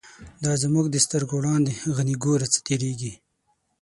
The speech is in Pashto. دا زمونږ د سترگو وړاندی، «غنی » گوره څه تیریږی